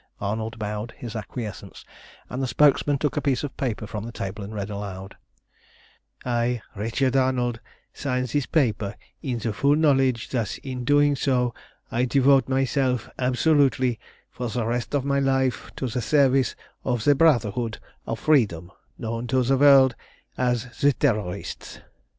Arnold bowed his acquiescence, and the spokesman took a piece of paper from the table and read aloud "_I, Richard Arnold, sign this paper in the full knowledge that in doing so I devote myself absolutely for the rest of my life to the service of the Brotherhood of Freedom, known to the world as the Terrorists.